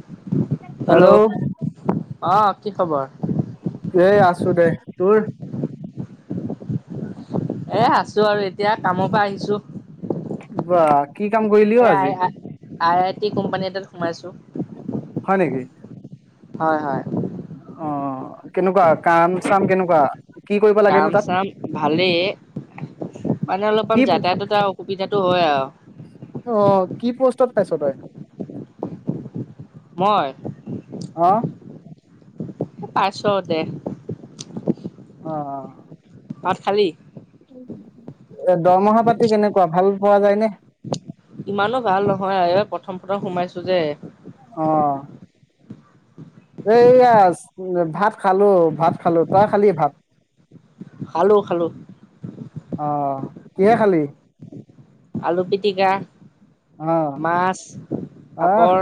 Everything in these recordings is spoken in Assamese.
[inaudible] হেল্ল' অ কি খবৰ এ আছো দে তোৰ এ আছো আৰু এতিয়া কামৰ পৰা আহিছো বা কি কাম কৰিলি এ অ আই আজি আই আই টি কোম্পানী এটাত সোমাইছোঁ হয় নেকি হয় হয় অ কেনেকুৱা কাম চাম কেনেকুৱা কি কৰিব কাম লাগেনো তাত চাম ভালেই মানে অলপমান কি যাতায়তৰ অসুবিধাটো হয় আৰু কত পাইছ তই মই অ পাইছোঁ আৰু দে অ অ ভাত খালি এ দৰমহা পাতি কেনেকুৱা ভাল পোৱা যায় নে ইমানো ভাল নহয় আইয়ো প্ৰথম প্ৰথম সোমাইছো যে অ এইয়া ভাত খালো ভাত খালো তই খালি ভাত খালোঁ খালোঁ অ কিহে খালি আলু পিটিকা অ মাছ পাপৰ বাঃ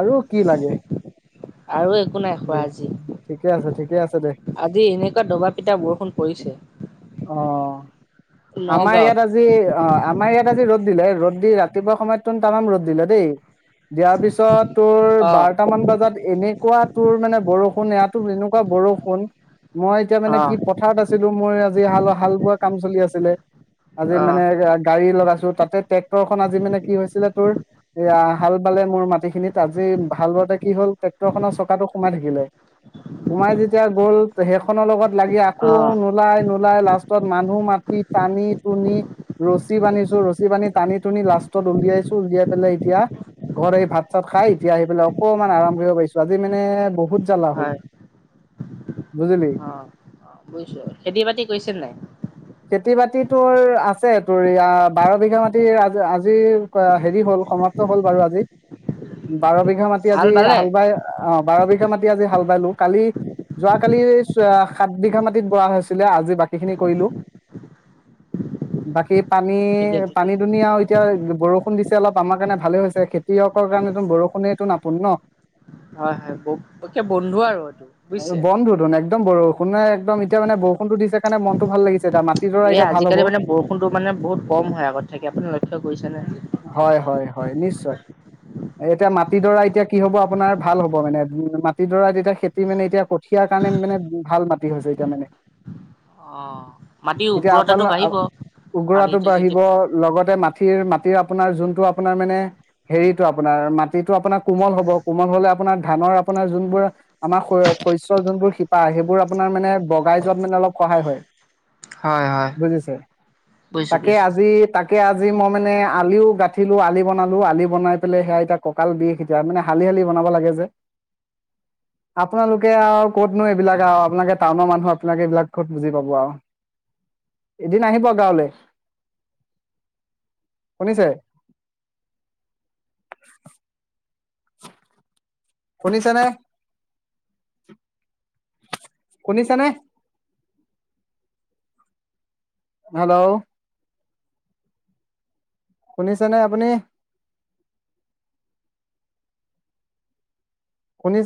আৰু কি লাগে আৰু একো নাই খোৱা আজি ঠিকে আছে ঠিকে আছে দে আজি এনেকুৱা দবা পিটা বৰষুণ পৰিছে অ আমাৰ নগাঁৱত ইয়াত আজি অ আমাৰ ইয়াত আজি ৰ'দ দিলে ৰ'দ দি ৰাতিপুৱা সময়ত তামাম ৰ'দ দিলে দেই দিয়াৰ পিছত তোৰ অ বাৰটামান বজাত এনেই কুৱা তোৰ মানে বৰষুণ ইয়াতো এনেকুৱা বৰষুণ মই এতিয়া মানে কি পথাৰত আছিলো মই আজি হাল হাল বোৱা কাম চলি আছিলে আজি অ মানে গাড়ী লগা তাতে ট্ৰেক্টৰ খন আজি মানে কি হৈছিলে তোৰ এ হাল বালে মোৰ মাটি খিনিত আজি হাল বতে কি হ'ল ট্ৰেক্টৰ খনৰ চকাটো সোমাই থাকিলে সোমাই যেতিয়া গ'ল সেইখনৰ লগত লাগি আকৌ অ অ নোলাই নো ওলাই লাষ্টত মানুহ মাতি টানি টুনি ৰছী বান্ধিছো ৰছী বান্ধি টানি টুনি লাষ্টত উলিয়াইছো উলিয়াই পেলাই এতিয়া ঘৰ ভাত চাত খাই এতিয়া আহি পেলাই অকমান আৰাম কৰিব পাৰিছো আজি মানে বহুত জ্বালা হল হয় বুজিলি বুছ খেতি বাতি কৈছে নাই খেতি বাতি তোৰ আছে তোৰ বাৰ বিঘা মাটিৰ আজি হেৰি হ'ল সমাপ্ত হল বাৰু আজি বাৰ বিঘা মাতি আজি হাল বাই অ বাৰ বিঘা মাটি আজি হাল বাইলো কালি যোৱা কালি সাত বিঘা মাটিতৰ হৈছে আজি বাকী খিনি কৰিলো বাকী পানী ঠিকে ঠিকে পানী দুন ঠিকে। আৰু এতিয়া বৰষুণ দিছে অলপ আমাৰ কাৰণে ভালে হৈছে খেতিয়কৰ কাৰণ বৰষুণটো নাপোন ন হয় হয় একে বন্ধু আৰু এইটো বুজিছে বন্ধুতোন একদম বৰষুণে একদম এতিয়া মানে ব টো দিছে কাৰণে মনটো ভাল লাগিছে য মাত এই আজিকালি মানে বৰষুণতো মানে বহুত কম হয় আগত থাকে আপুনি লক্ষ্য কৰিছেনেে ত এতিয়া মাটিডৰা এতিয়া কি হব আপোনাৰ ভাল হব মানে উ মাটিডৰা এতিয়া খেতি মানে এতিয়া কঠিয়াৰ কাৰণে মানে ভাল মাটি হৈছে এতিয়া মানে অ', মাটিৰ এতিয়া আপোন উৰ্বৰতাটো বাঢ়িব উগৰাটো পানীটো যেতিয়া বাঢ়িব লগতে ম মিৰ মাটিৰ আপোনাৰ যোনটো আপোনাৰ মানে হেৰিটো আপোনাৰ মাটিতো আপোনাৰ কোমল হ'ব কোমল হলে আপোনাৰ ধানৰ আপোনাৰ যোনবোৰ আমাৰ শস্ৰ যোনবোৰ শিপা সেইবোৰ আপোনাৰ মানে বগাই য মানে অলপ সহায় হয় হয় হয় বুজিছে বুজিছো তাকে বুজিছো। আজি তাকে আজি মই মানে আলিও গাঁঠিলো আলি বনালো আলি বনাই পেলাই সেয়া এতিয়া কঁকাল দি এতিয়া মানে হালি শালি বনাব লাগে যে আপোনালোকে আৰু ক'তনো এইবিলাক আৰু আপোনালোকে টাউনৰ মানুহৰ আপোনাক এইবিলাক কত বুজি পাব আৰু এদিন আহিব গাঁৱলৈ শুনিছে শুনিছানে শুনিছ নে হেল্ল' শুনিছে নে আপুনি শুনি